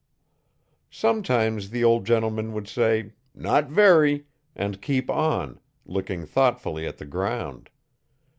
Sometimes the old gentleman would say 'not very', and keep on, looking thoughtfully at the ground.